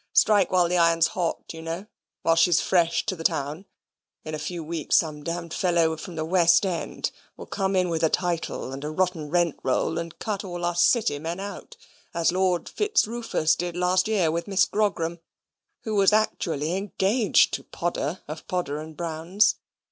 "Strike while the iron's hot, you know while she's fresh to the town: in a few weeks some d fellow from the West End will come in with a title and a rotten rent roll and cut all us City men out, as Lord Fitzrufus did last year with Miss Grogram, who was actually engaged to Podder, of Podder & Brown's.